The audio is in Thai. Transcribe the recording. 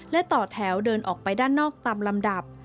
และต่อแถวเดินออกไปด้านนอกตามลำดับ